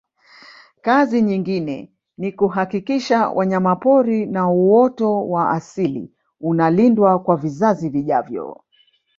kazi nyingine ni kuhakisha wanyamapori na uoto wa asili unalindwa kwa vizazi vijavyo